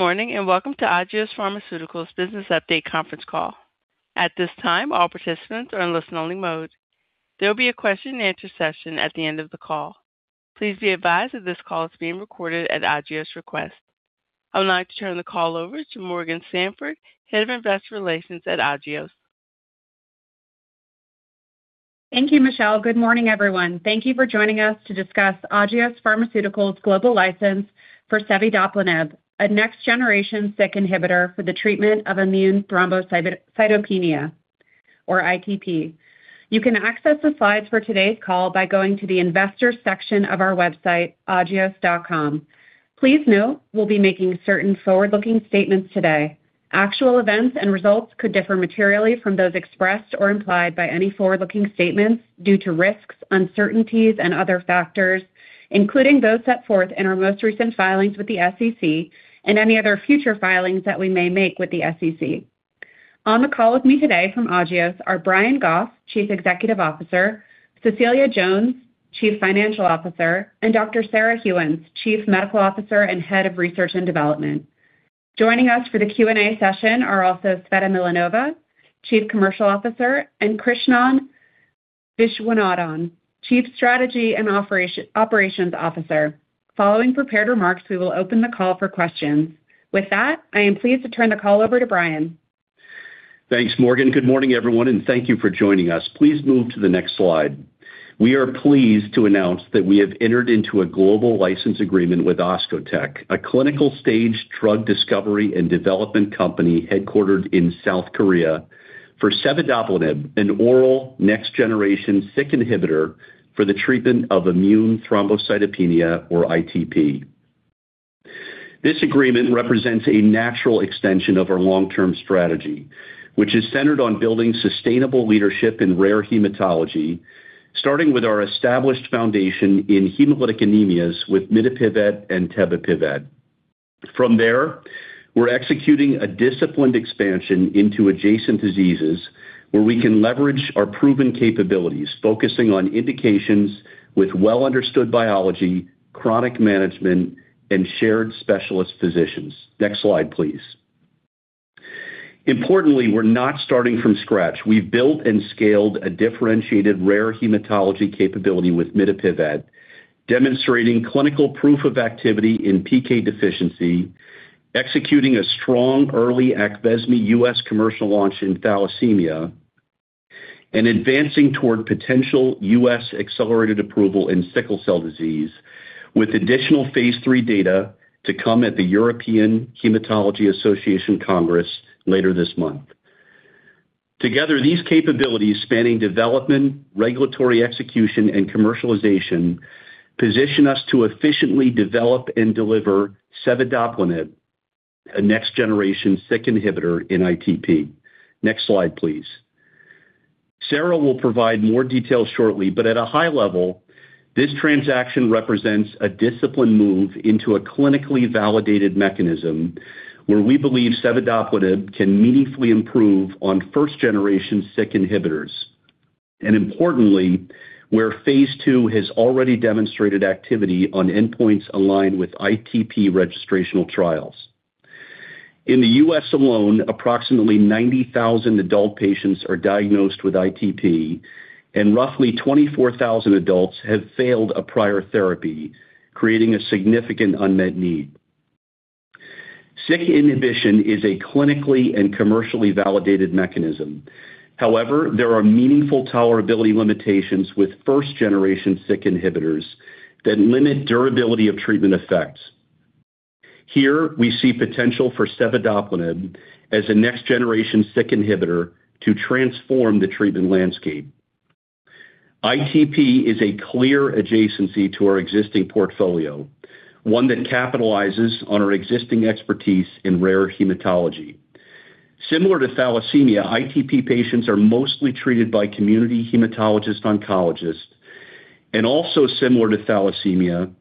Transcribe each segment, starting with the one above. Good morning, and welcome to Agios Pharmaceuticals' business update conference call. At this time, all participants are in listen only mode. There will be a question and answer session at the end of the call. Please be advised that this call is being recorded at Agios request. I would like to turn the call over to Morgan Sanford, Head of Investor Relations at Agios. Thank you, Michelle. Good morning, everyone. Thank you for joining us to discuss Agios Pharmaceuticals global license for cevidoplenib, a next generation SYK inhibitor for the treatment of immune thrombocytopenia, or ITP. You can access the slides for today's call by going to the investor section of our website, agios.com. Please note we'll be making certain forward-looking statements today. Actual events and results could differ materially from those expressed or implied by any forward-looking statements due to risks, uncertainties, and other factors, including those set forth in our most recent filings with the SEC and any other future filings that we may make with the SEC. On the call with me today from Agios are Brian Goff, Chief Executive Officer, Cecilia Jones, Chief Financial Officer, and Dr. Sarah Gheuens, Chief Medical Officer and Head of Research and Development. Joining us for the Q&A session are also Tsveta Milanova, Chief Commercial Officer, and Krishnan Viswanadhan, Chief Strategy and Operations Officer. Following prepared remarks, we will open the call for questions. With that, I am pleased to turn the call over to Brian. Thanks, Morgan. Good morning, everyone, and thank you for joining us. Please move to the next slide. We are pleased to announce that we have entered into a global license agreement with Oscotec, a clinical stage drug discovery and development company headquartered in South Korea for cevidoplenib, an oral next generation SYK inhibitor for the treatment of immune thrombocytopenia or ITP. This agreement represents a natural extension of our long-term strategy, which is centered on building sustainable leadership in rare hematology, starting with our established foundation in hemolytic anemias with mitapivat and tebapivat. From there, we're executing a disciplined expansion into adjacent diseases where we can leverage our proven capabilities, focusing on indications with well-understood biology, chronic management, and shared specialist physicians. Next slide, please. Importantly, we're not starting from scratch. We've built and scaled a differentiated rare hematology capability with mitapivat, demonstrating clinical proof of activity in PK deficiency, executing a strong early AQVESME U.S. commercial launch in thalassemia, and advancing toward potential U.S. accelerated approval in sickle cell disease with additional phase III data to come at the European Hematology Association Congress later this month. Together, these capabilities spanning development, regulatory execution, and commercialization, position us to efficiently develop and deliver cevidoplenib, a next generation SYK inhibitor in ITP. Next slide, please. Sarah will provide more details shortly, but at a high level, this transaction represents a disciplined move into a clinically validated mechanism where we believe cevidoplenib can meaningfully improve on first generation SYK inhibitors and importantly, where phase II has already demonstrated activity on endpoints aligned with ITP registrational trials. In the U.S. alone, approximately 90,000 adult patients are diagnosed with ITP and roughly 24,000 adults have failed a prior therapy, creating a significant unmet need. SYK inhibition is a clinically and commercially validated mechanism. However, there are meaningful tolerability limitations with first generation SYK inhibitors that limit durability of treatment effects. Here we see potential for cevidoplenib as a next generation SYK inhibitor to transform the treatment landscape. ITP is a clear adjacency to our existing portfolio, one that capitalizes on our existing expertise in rare hematology. Similar to thalassemia, ITP patients are mostly treated by community hematologist oncologists and also similar to thalassemia,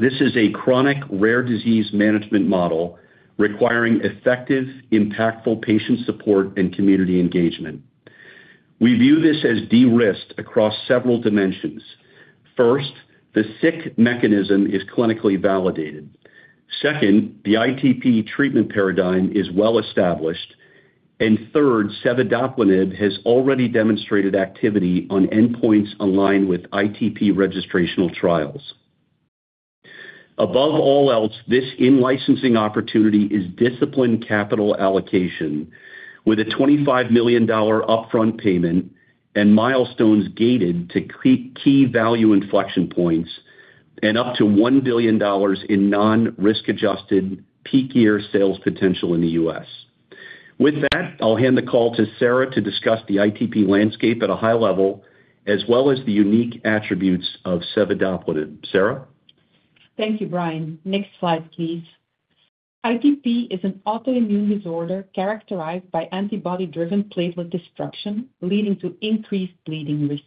this is a chronic rare disease management model requiring effective, impactful patient support and community engagement. We view this as de-risked across several dimensions. First, the SYK mechanism is clinically validated. Second, the ITP treatment paradigm is well established. Third, cevidoplenib has already demonstrated activity on endpoints aligned with ITP registrational trials. Above all else, this in-licensing opportunity is disciplined capital allocation with a $25 million upfront payment and milestones gated to key value inflection points and up to $1 billion in non-risk adjusted peak year sales potential in the U.S. With that, I'll hand the call to Sarah to discuss the ITP landscape at a high level as well as the unique attributes of cevidoplenib. Sarah? Thank you, Brian. Next slide, please. ITP is an autoimmune disorder characterized by antibody-driven platelet destruction leading to increased bleeding risk.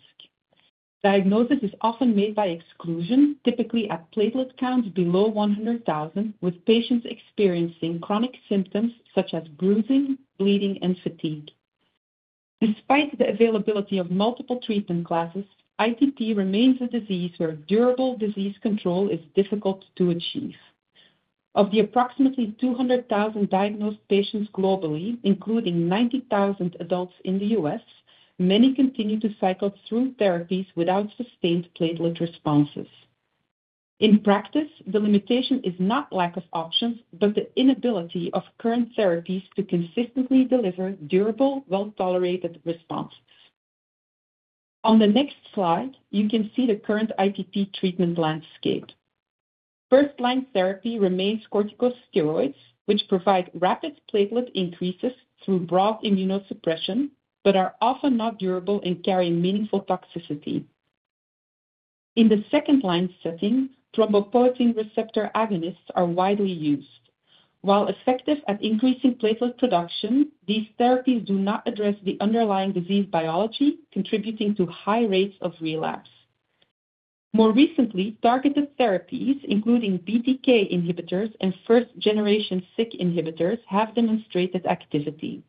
Diagnosis is often made by exclusion, typically at platelet counts below 100,000, with patients experiencing chronic symptoms such as bruising, bleeding, and fatigue. Despite the availability of multiple treatment classes, ITP remains a disease where durable disease control is difficult to achieve. Of the approximately 200,000 diagnosed patients globally, including 90,000 adults in the U.S., many continue to cycle through therapies without sustained platelet responses. In practice, the limitation is not lack of options, but the inability of current therapies to consistently deliver durable, well-tolerated responses. On the next slide, you can see the current ITP treatment landscape. First-line therapy remains corticosteroids, which provide rapid platelet increases through broad immunosuppression but are often not durable and carry meaningful toxicity. In the second-line setting, thrombopoietin receptor agonists are widely used. While effective at increasing platelet production, these therapies do not address the underlying disease biology, contributing to high rates of relapse. More recently, targeted therapies, including BTK inhibitors and first-generation SYK inhibitors, have demonstrated activity.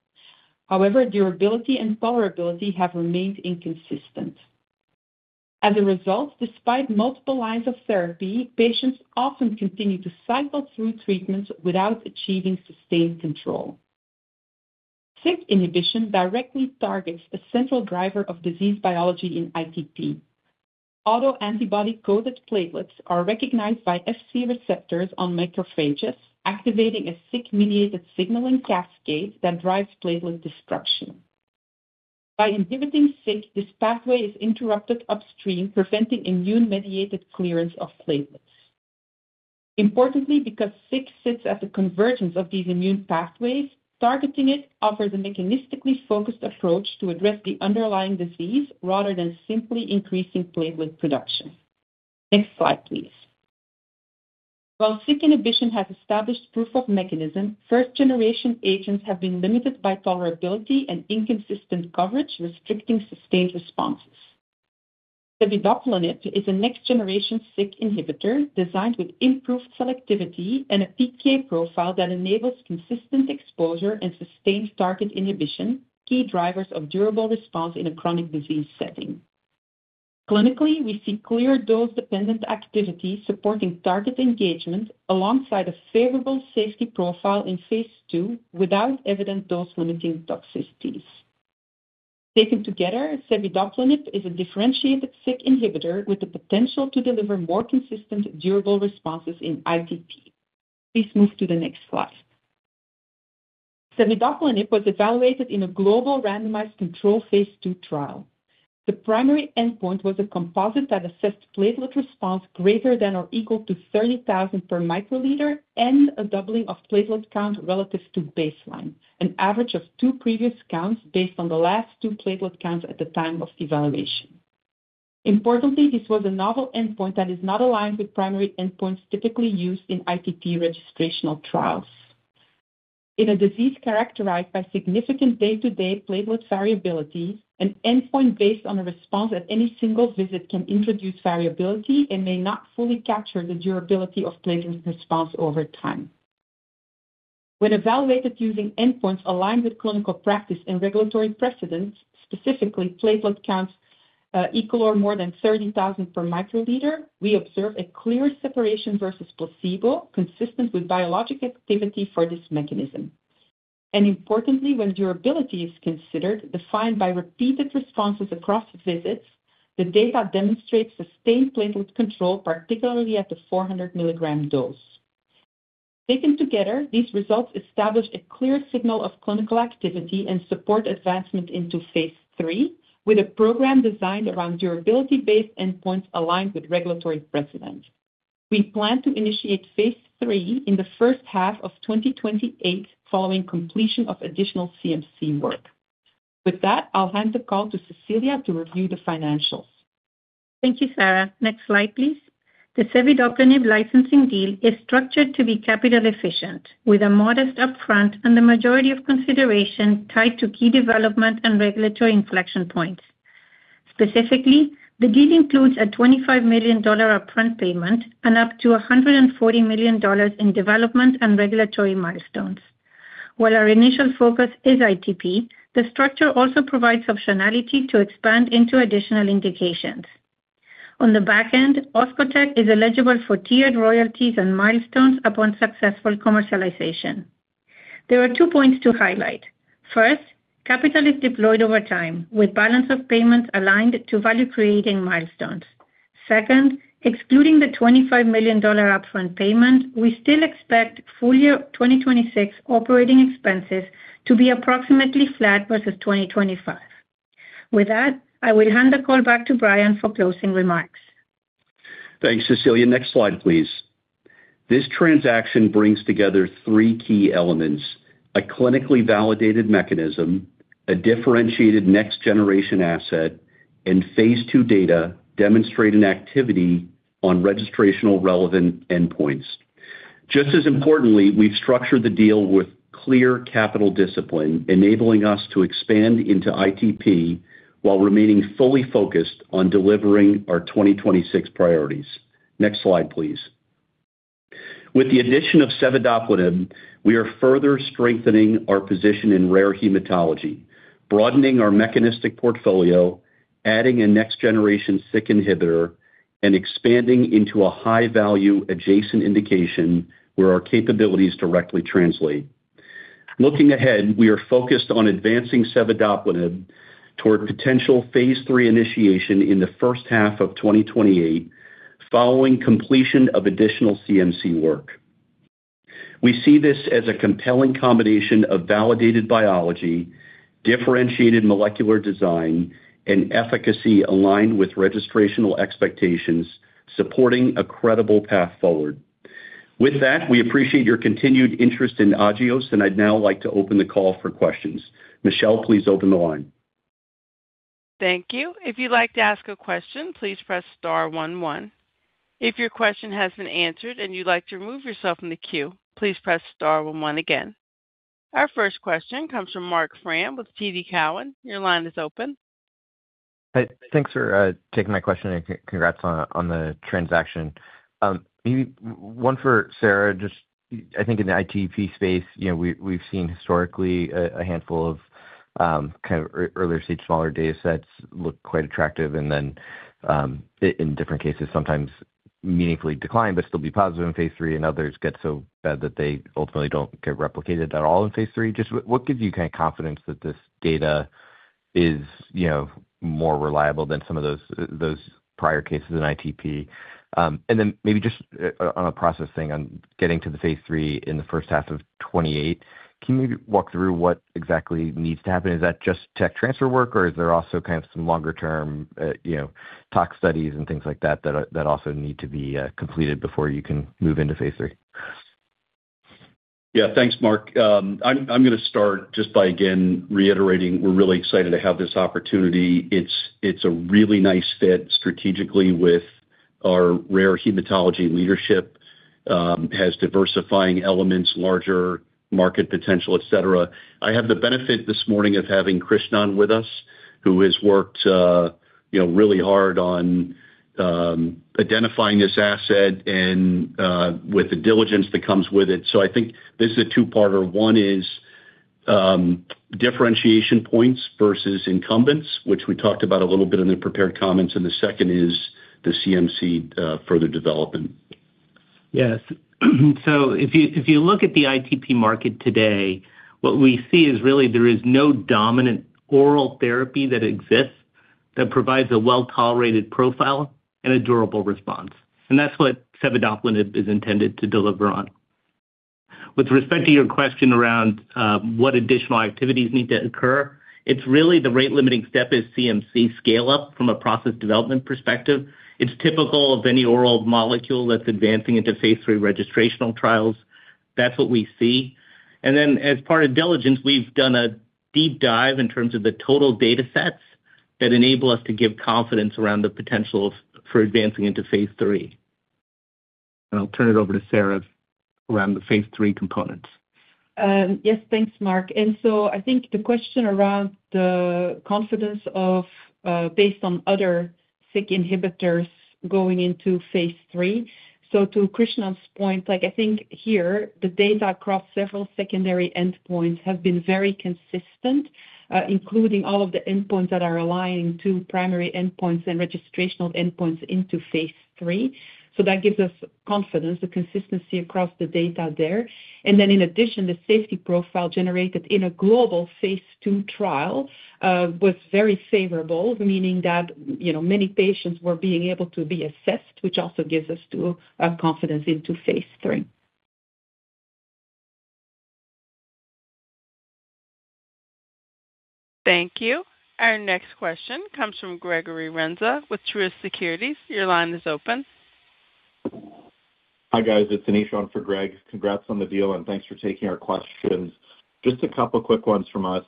However, durability and tolerability have remained inconsistent. As a result, despite multiple lines of therapy, patients often continue to cycle through treatments without achieving sustained control. SYK inhibition directly targets a central driver of disease biology in ITP. Autoantibody-coated platelets are recognized by Fc receptors on macrophages, activating a SYK-mediated signaling cascade that drives platelet destruction. By inhibiting SYK, this pathway is interrupted upstream, preventing immune-mediated clearance of platelets. Importantly, because SYK sits at the convergence of these immune pathways, targeting it offers a mechanistically focused approach to address the underlying disease rather than simply increasing platelet production. Next slide, please. While SYK inhibition has established proof of mechanism, first-generation agents have been limited by tolerability and inconsistent coverage, restricting sustained responses. Cevidoplenib is a next-generation SYK inhibitor designed with improved selectivity and a PK profile that enables consistent exposure and sustained target inhibition, key drivers of durable response in a chronic disease setting. Clinically, we see clear dose-dependent activity supporting target engagement alongside a favorable safety profile in phase II without evident dose-limiting toxicities. Taken together, cevidoplenib is a differentiated SYK inhibitor with the potential to deliver more consistent durable responses in ITP. Please move to the next slide. Cevidoplenib was evaluated in a global randomized control phase II trial. The primary endpoint was a composite that assessed platelet response greater than or equal to 30,000 per microliter and a doubling of platelet count relative to baseline, an average of two previous counts based on the last two platelet counts at the time of evaluation. Importantly, this was a novel endpoint that is not aligned with primary endpoints typically used in ITP registrational trials. In a disease characterized by significant day-to-day platelet variability, an endpoint based on a response at any single visit can introduce variability and may not fully capture the durability of platelet response over time. When evaluated using endpoints aligned with clinical practice and regulatory precedents, specifically platelet counts equal or more than 30,000 per microliter, we observe a clear separation versus placebo consistent with biologic activity for this mechanism. Importantly, when durability is considered, defined by repeated responses across visits, the data demonstrates sustained platelet control, particularly at the 400 milligram dose. Taken together, these results establish a clear signal of clinical activity and support advancement into phase III with a program designed around durability-based endpoints aligned with regulatory precedent. We plan to initiate phase III in the first half of 2028 following completion of additional CMC work. With that, I'll hand the call to Cecilia to review the financials. Thank you, Sarah. Next slide, please. The cevidoplenib licensing deal is structured to be capital efficient with a modest upfront and the majority of consideration tied to key development and regulatory inflection points. Specifically, the deal includes a $25 million upfront payment and up to $140 million in development and regulatory milestones. While our initial focus is ITP, the structure also provides optionality to expand into additional indications. On the back end, Oscotec is eligible for tiered royalties and milestones upon successful commercialization. There are two points to highlight. First, capital is deployed over time, with balance of payments aligned to value-creating milestones. Second, excluding the $25 million upfront payment, we still expect full-year 2026 operating expenses to be approximately flat versus 2025. With that, I will hand the call back to Brian for closing remarks. Thanks, Cecilia. Next slide, please. This transaction brings together three key elements, a clinically validated mechanism, a differentiated next-generation asset, and phase II data demonstrate an activity on registrational relevant endpoints. Just as importantly, we've structured the deal with clear capital discipline, enabling us to expand into ITP while remaining fully focused on delivering our 2026 priorities. Next slide, please. With the addition of cevidoplenib, we are further strengthening our position in rare hematology, broadening our mechanistic portfolio, adding a next-generation SYK inhibitor, and expanding into a high-value adjacent indication where our capabilities directly translate. Looking ahead, we are focused on advancing cevidoplenib toward potential phase III initiation in the first half of 2028, following completion of additional CMC work. We see this as a compelling combination of validated biology, differentiated molecular design, and efficacy aligned with registrational expectations, supporting a credible path forward. With that, we appreciate your continued interest in Agios, and I'd now like to open the call for questions. Michelle, please open the line. Thank you. If you'd like to ask a question, please press star one one. If your question has been answered and you'd like to remove yourself from the queue, please press star one one again. Our first question comes from Marc Frahm with TD Cowen. Your line is open. Hey, thanks for taking my question, and congrats on the transaction. Maybe one for Sarah, just I think in the ITP space, we've seen historically a handful of kind of earlier stage smaller data sets look quite attractive, and then, in different cases, sometimes meaningfully decline, but still be positive in phase III and others get so bad that they ultimately don't get replicated at all in phase III. Just what gives you kind of confidence that this data is more reliable than some of those prior cases in ITP? Then maybe just on a process thing, on getting to the phase III in the first half of 2028, can you maybe walk through what exactly needs to happen? Is that just tech transfer work, or is there also kind of some longer-term tox studies and things like that also need to be completed before you can move into phase III? Yeah. Thanks, Marc. I'm going to start just by again reiterating we're really excited to have this opportunity. It's a really nice fit strategically with our rare hematology leadership, has diversifying elements, larger market potential, et cetera. I have the benefit this morning of having Krishnan with us, who has worked really hard on identifying this asset and with the diligence that comes with it. I think this is a two-parter. One is differentiation points versus incumbents, which we talked about a little bit in the prepared comments, and the second is the CMC further development. Yes. If you look at the ITP market today, what we see is really there is no dominant oral therapy that exists that provides a well-tolerated profile and a durable response. That's what cevidoplenib is intended to deliver on. With respect to your question around what additional activities need to occur, it's really the rate-limiting step is CMC scale-up from a process development perspective. It's typical of any oral molecule that's advancing into phase III registrational trials. That's what we see. As part of diligence, we've done a deep dive in terms of the total data sets that enable us to give confidence around the potential for advancing into phase III. I'll turn it over to Sarah around the phase III components. Yes. Thanks, Marc. I think the question around the confidence of based on other SYK inhibitors going into phase III, so to Krishnan's point, I think here the data across several secondary endpoints have been very consistent, including all of the endpoints that are aligned to primary endpoints and registrational endpoints into phase III. That gives us confidence, the consistency across the data there. In addition, the safety profile generated in a global phase II trial, was very favorable, meaning that many patients were being able to be assessed, which also gives us true confidence into phase III. Thank you. Our next question comes from Gregory Renza with Truist Securities. Your line is open. Hi, guys, it's Anupam for Gregory. Congrats on the deal, and thanks for taking our questions. Just a couple quick ones from us.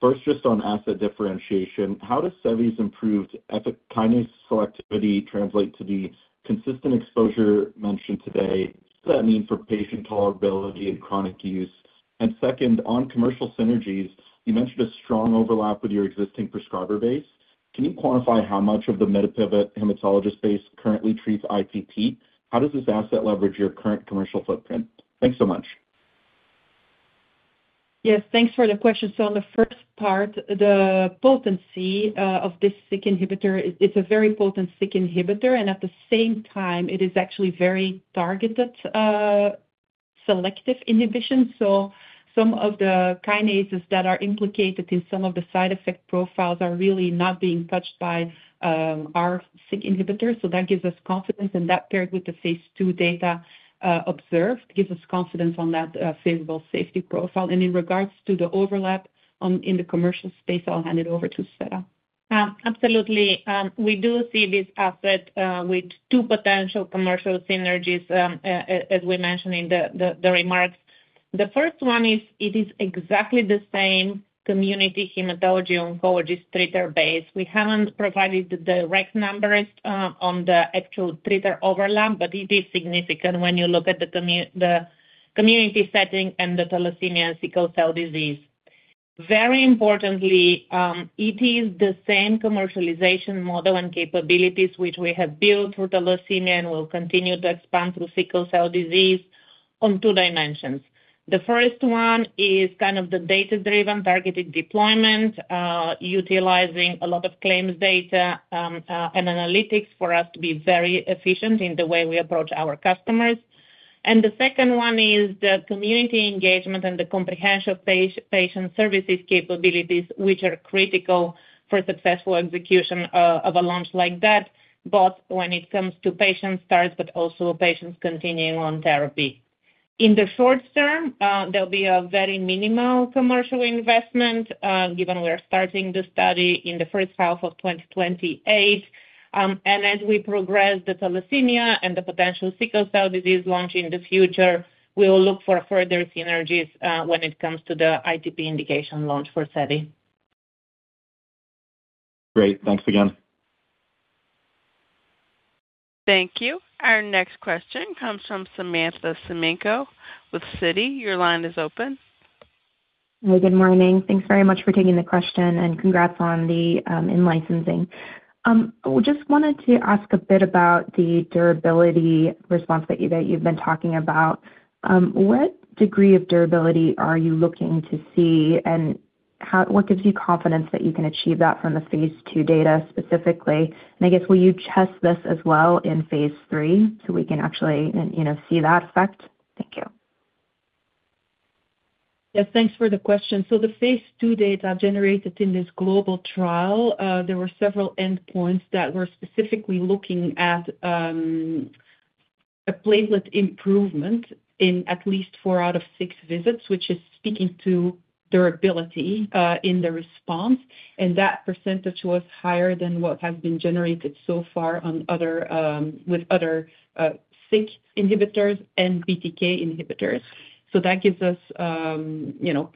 First, just on asset differentiation, how does sevi's improved epic [inaudible] selectivity translate to the consistent exposure mentioned today? What does that mean for patient tolerability and chronic use? Second, on commercial synergies, you mentioned a strong overlap with your existing prescriber base. Can you quantify how much of the mitapivat hematologist base currently treats ITP? How does this asset leverage your current commercial footprint? Thanks so much. Yes, thanks for the question. On the first part, the potency of this SYK inhibitor is a very potent SYK inhibitor, and at the same time, it is actually very targeted selective inhibition. Some of the kinases that are implicated in some of the side effect profiles are really not being touched by our SYK inhibitor, so that gives us confidence, and that paired with the phase II data observed gives us confidence on that favorable safety profile. In regards to the overlap in the commercial space, I'll hand it over to Tsveta. Absolutely. We do see this asset with two potential commercial synergies, as we mentioned in the remarks. The first one is, it is exactly the same community hematology/oncology treater base. We haven't provided the direct numbers on the actual treater overlap, but it is significant when you look at the community setting and the thalassemia sickle cell disease. Very importantly, it is the same commercialization model and capabilities which we have built for thalassemia and will continue to expand through sickle cell disease on two dimensions. The first one is the data-driven targeted deployment, utilizing a lot of claims data, and analytics for us to be very efficient in the way we approach our customers. The second one is the community engagement and the comprehensive patient services capabilities, which are critical for successful execution of a launch like that, both when it comes to patient starts, but also patients continuing on therapy. In the short term, there'll be a very minimal commercial investment, given we are starting the study in the first half of 2028. As we progress the thalassemia and the potential sickle cell disease launch in the future, we will look for further synergies when it comes to the ITP indication launch for cevidoplenib. Great. Thanks again. Thank you. Our next question comes from Samantha Semenkow with Citi. Your line is open. Hi, good morning. Thanks very much for taking the question and congrats on the in-licensing. Just wanted to ask a bit about the durability response that you've been talking about. What degree of durability are you looking to see, and what gives you confidence that you can achieve that from the phase II data specifically? I guess, will you test this as well in phase III so we can actually see that effect? Thank you. Yes, thanks for the question. The phase II data generated in this global trial, there were several endpoints that were specifically looking at a platelet improvement in at least four out of six visits, which is speaking to durability in the response. That percentage was higher than what has been generated so far with other SYK inhibitors and BTK inhibitors. That gives us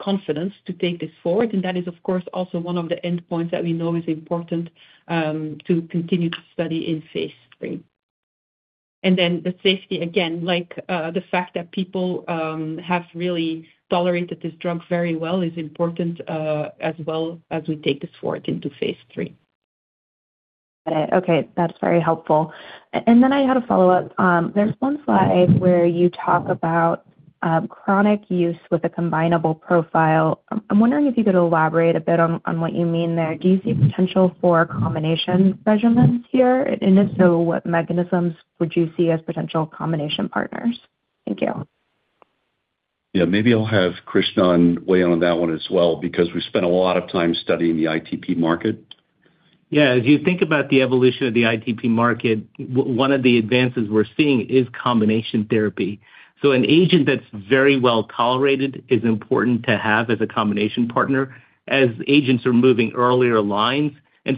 confidence to take this forward. That is, of course, also one of the endpoints that we know is important to continue to study in phase III. The safety, again, the fact that people have really tolerated this drug very well is important, as well as we take this forward into phase III. Got it. Okay, that's very helpful. Then I had a follow-up. There's one slide where you talk about chronic use with a combinable profile. I'm wondering if you could elaborate a bit on what you mean there. Do you see a potential for combination regimens here? If so, what mechanisms would you see as potential combination partners? Thank you. Yeah, maybe I'll have Krishnan weigh in on that one as well, because we spent a lot of time studying the ITP market. As you think about the evolution of the ITP market, one of the advances we're seeing is combination therapy. An agent that's very well tolerated is important to have as a combination partner as agents are moving earlier lines.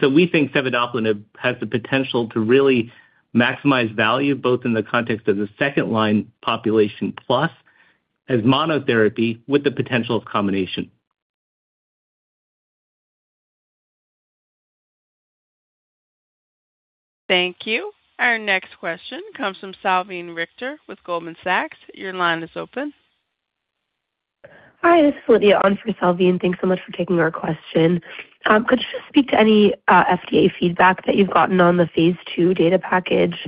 We think cevidoplenib has the potential to really maximize value, both in the context of the second-line population plus as monotherapy with the potential of combination. Thank you. Our next question comes from Salveen Richter with Goldman Sachs. Your line is open. Hi, this is Lydia on for Salveen. Thanks so much for taking our question. Could you just speak to any FDA feedback that you've gotten on the phase II data package,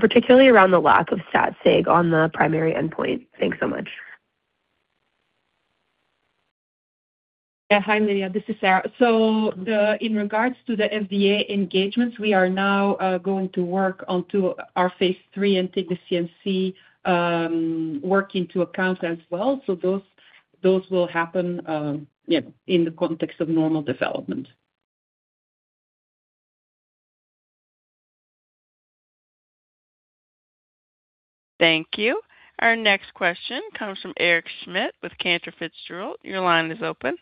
particularly around the lack of stat sig on the primary endpoint? Thanks so much. Yeah. Hi, Lydia. This is Sarah. In regards to the FDA engagements, we are now going to work onto our phase III and take the CMC work into account as well. Those will happen in the context of normal development. Thank you. Our next question comes from Eric Schmidt with Cantor Fitzgerald. Your line is open.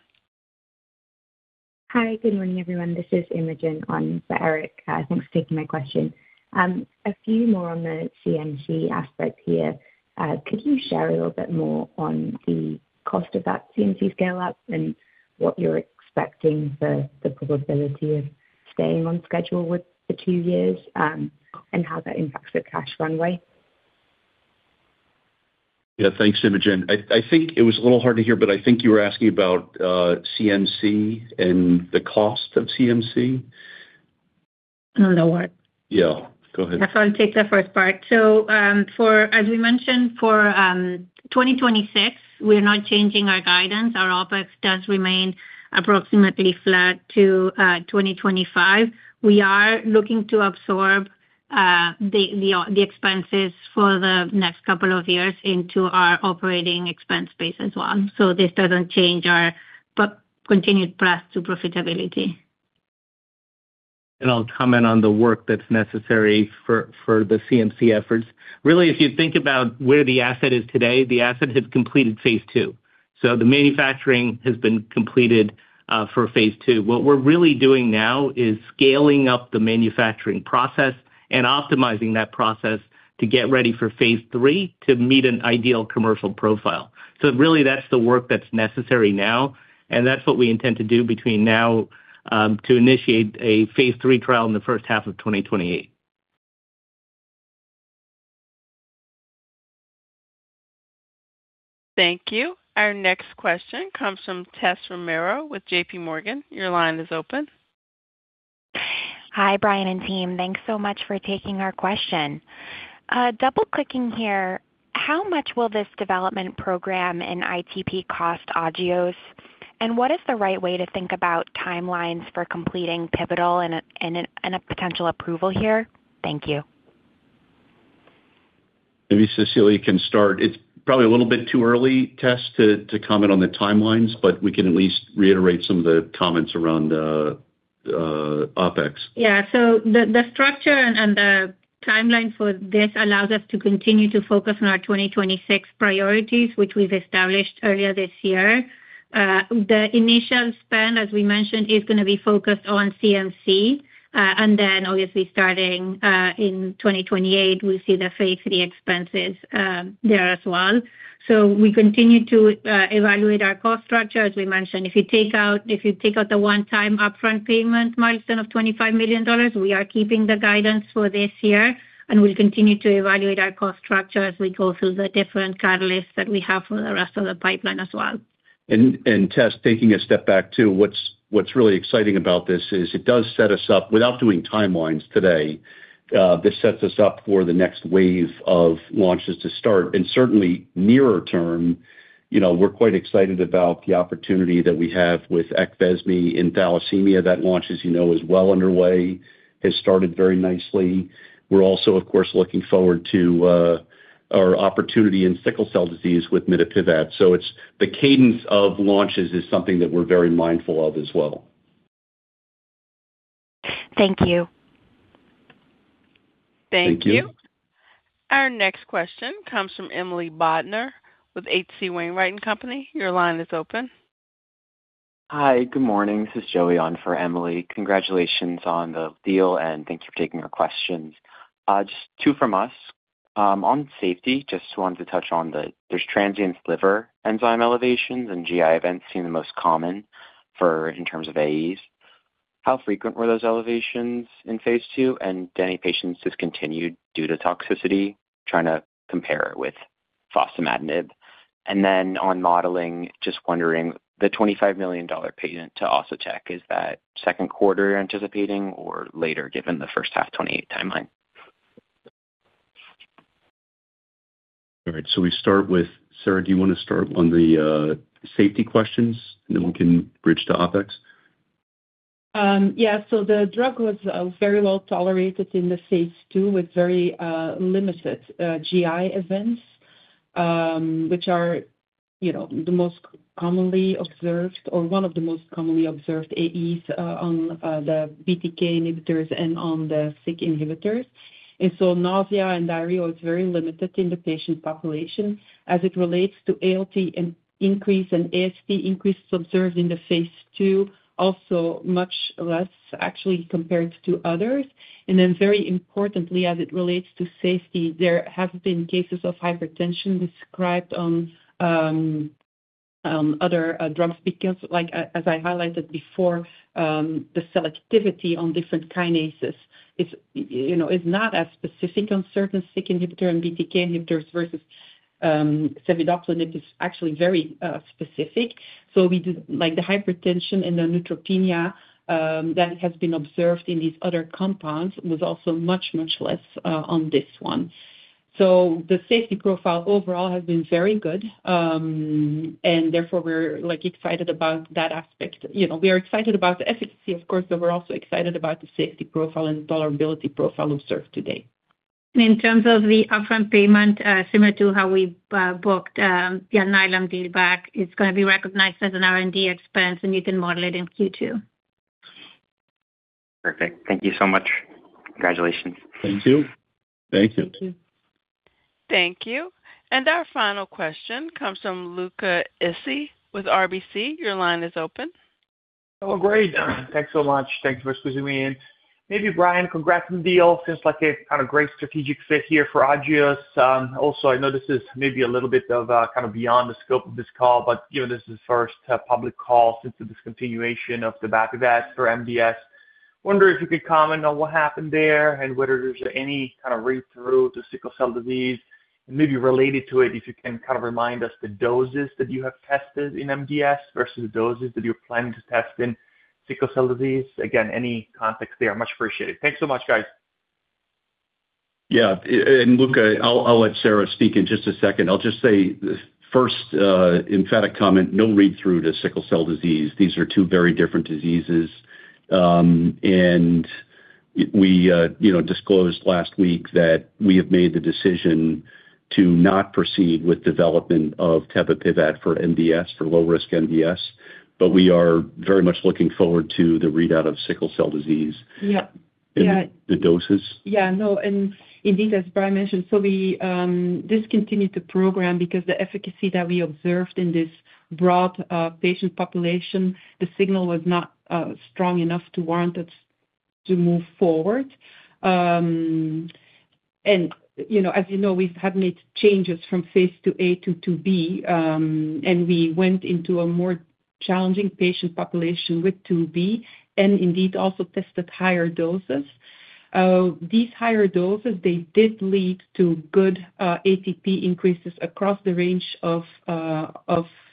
Hi, good morning, everyone. This is Imogen on for Eric. Thanks for taking my question. A few more on the CMC aspect here. Could you share a little bit more on the cost of that CMC scale-up and what you're expecting for the probability of staying on schedule with the two years, and how that impacts the cash runway? Yeah, thanks, Imogen. I think it was a little hard to hear, but I think you were asking about CMC and the cost of CMC. [inaudible] Yeah, go ahead. I'll take the first part. As we mentioned, for 2026, we're not changing our guidance. Our OPEX does remain approximately flat to 2025. We are looking to absorb the expenses for the next couple of years into our operating expense base as well. This doesn't change our continued path to profitability. I'll comment on the work that's necessary for the CMC efforts. Really, if you think about where the asset is today, the asset has completed phase II. The manufacturing has been completed for phase II. What we're really doing now is scaling up the manufacturing process and optimizing that process to get ready for phase III to meet an ideal commercial profile. Really, that's the work that's necessary now, and that's what we intend to do between now to initiate a phase III trial in the first half of 2028. Thank you. Our next question comes from Tess Romero with JPMorgan. Your line is open. Hi, Brian and team. Thanks so much for taking our question. Double-clicking here, how much will this development program and ITP cost Agios? What is the right way to think about timelines for completing pivotal and a potential approval here? Thank you. Maybe Cecilia can start. It's probably a little bit too early, Tess, to comment on the timelines, but we can at least reiterate some of the comments around the OpEx. Yeah. The structure and the timeline for this allows us to continue to focus on our 2026 priorities, which we've established earlier this year. The initial spend, as we mentioned, is going to be focused on CMC, then obviously starting in 2028, we'll see the phase III expenses there as well. We continue to evaluate our cost structure. As we mentioned, if you take out the one-time upfront payment milestone of $25 million, we are keeping the guidance for this year, we'll continue to evaluate our cost structure as we go through the different catalysts that we have for the rest of the pipeline as well. Tess, taking a step back too, what's really exciting about this is it does set us up without doing timelines today. This sets us up for the next wave of launches to start, and certainly nearer term, we're quite excited about the opportunity that we have with AQVESME in thalassemia. That launch, as you know, is well underway, has started very nicely. We're also, of course, looking forward to our opportunity in sickle cell disease with mitapivat. The cadence of launches is something that we're very mindful of as well. Thank you. Thank you. Thank you. Our next question comes from Emily Bodnar with H.C. Wainwright & Company. Your line is open. Hi, good morning. This is Joey on for Emily. Congratulations on the deal, and thank you for taking our questions. Just two from us. On safety, just wanted to touch on the There's transient liver enzyme elevations and GI events seem the most common in terms of AEs. How frequent were those elevations in Phase II, and did any patients discontinued due to toxicity? Trying to compare it with fostamatinib. Then on modeling, just wondering, the $25 million payment to Oscotec, is that second quarter anticipating or later, given the first half 2028 timeline? All right. We start with, Sarah, do you want to start on the safety questions, and then we can bridge to OPEX? The drug was very well tolerated in the phase II with very limited GI events, which are the most commonly observed, or one of the most commonly observed AEs on the BTK inhibitors and on the SYK inhibitors. Nausea and diarrhea was very limited in the patient population. As it relates to ALT increase and AST increase observed in the phase II, also much less actually compared to others. Very importantly, as it relates to safety, there have been cases of hypertension described on other drug. [inaudible] As I highlighted before, the selectivity on different kinases is not as specific on certain SYK inhibitor and BTK inhibitors versus cevidoplenib. It is actually very specific. The hypertension and the neutropenia that has been observed in these other compounds was also much less on this one. The safety profile overall has been very good. Therefore, we're excited about that aspect. We are excited about the efficacy, of course, but we're also excited about the safety profile and tolerability profile observed today. In terms of the upfront payment, similar to how we booked the Alnylam deal back, it's going to be recognized as an R&D expense, and you can model it in Q2. Perfect. Thank you so much. Congratulations. Thank you. Thank you. Thank you. Our final question comes from Luca Issi with RBC. Your line is open. Oh, great. Thanks so much. Thank you for squeezing me in. Brian, congrats on the deal. Seems like a great strategic fit here for Agios. I know this is maybe a little bit of beyond the scope of this call, but given this is the first public call since the discontinuation of tebapivat for MDS, wonder if you could comment on what happened there and whether there's any kind of read-through to sickle cell disease. Maybe related to it, if you can remind us the doses that you have tested in MDS versus the doses that you're planning to test in sickle cell disease. Any context there, much appreciated. Thanks so much, guys. Yeah. Luca, I'll let Sarah speak in just a second. I'll just say, first emphatic comment, no read-through to sickle cell disease. These are two very different diseases. We disclosed last week that we have made the decision to not proceed with development of tebapivat for MDS, for low-risk MDS, but we are very much looking forward to the readout of sickle cell disease. Yeah. The doses. Yeah, no, indeed, as Brian mentioned, we discontinued the program because the efficacy that we observed in this broad patient population, the signal was not strong enough to warrant us to move forward. As you know, we have made changes from phase II-A to phase II-B, and we went into a more challenging patient population with phase II-B and indeed also tested higher doses. These higher doses, they did lead to good ATP increases across the range of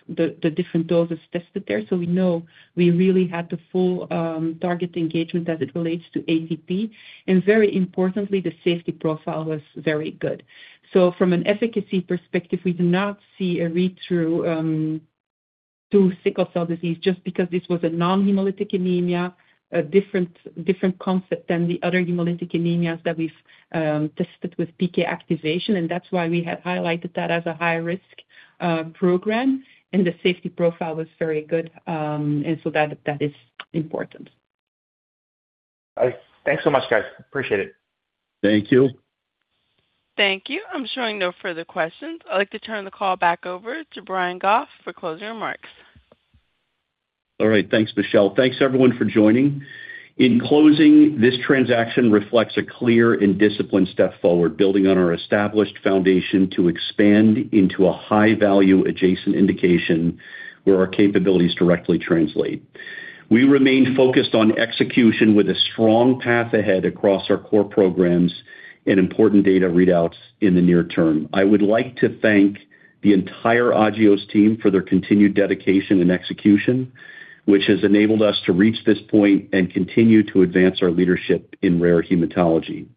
the different doses tested there. We know we really had the full target engagement as it relates to ATP. Very importantly, the safety profile was very good. From an efficacy perspective, we did not see a read-through to sickle cell disease just because this was a nonhemolytic anemia, a different concept than the other hemolytic anemias that we've tested with PK activation. That's why we had highlighted that as a high-risk program, and the safety profile was very good. That is important. All right. Thanks so much, guys. Appreciate it. Thank you. Thank you. I'm showing no further questions. I'd like to turn the call back over to Brian Goff for closing remarks. Thanks, Michelle. Thanks everyone for joining. In closing, this transaction reflects a clear and disciplined step forward, building on our established foundation to expand into a high-value adjacent indication where our capabilities directly translate. We remain focused on execution with a strong path ahead across our core programs and important data readouts in the near term. I would like to thank the entire Agios team for their continued dedication and execution, which has enabled us to reach this point and continue to advance our leadership in rare hematology.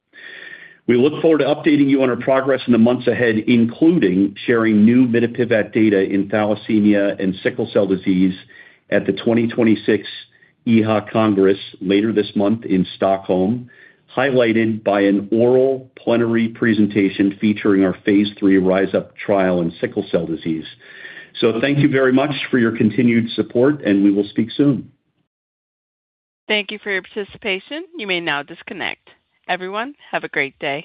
We look forward to updating you on our progress in the months ahead, including sharing new mitapivat data in thalassemia and sickle cell disease at the 2026 EHA Congress later this month in Stockholm, highlighted by an oral plenary presentation featuring our phase III RISE UP trial in sickle cell disease. Thank you very much for your continued support, and we will speak soon. Thank you for your participation. You may now disconnect. Everyone, have a great day.